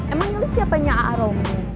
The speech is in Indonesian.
emang yuli siapanya aaromi